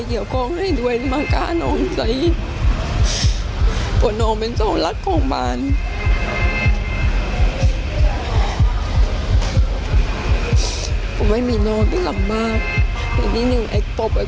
อีกนิดนึงไอ้ปบไอ้คนบ้าน่ะมาทำแบบนี้